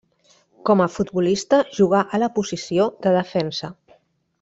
Com a futbolista jugà a la posició de defensa.